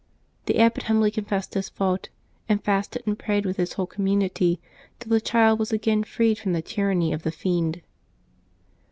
The abbot humbly confessed his fault, and fasted and prayed with his whole community tiU the child was again freed from the tyranny of the fiend.